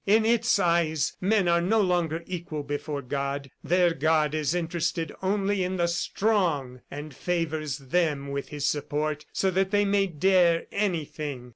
In its eyes, men are no longer equal before God. Their God is interested only in the strong, and favors them with his support so that they may dare anything.